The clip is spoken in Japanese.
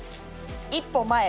「一歩前へ！